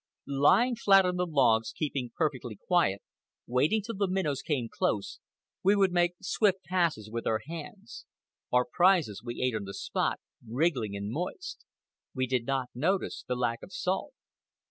Lying flat on the logs, keeping perfectly quiet, waiting till the minnows came close, we would make swift passes with our hands. Our prizes we ate on the spot, wriggling and moist. We did not notice the lack of salt.